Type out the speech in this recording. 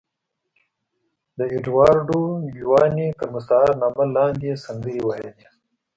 د اېډوارډو ګیواني تر مستعار نامه لاندې یې سندرې ویلې.